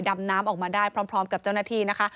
ดำน้ำออกมาได้พร้อมกับเจ้าหน้าที่นะคะ